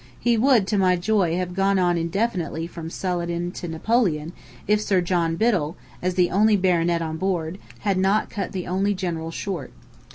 He would, to my joy, have gone on indefinitely from Saladin to Napoleon if Sir John Biddell, as the only baronet on board, had not cut the only general short.